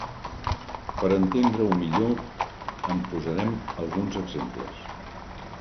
Per entendre-ho millor en posarem alguns exemples.